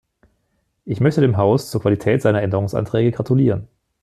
Ich möchte dem Haus zur Qualität seiner Änderungsanträge gratulieren.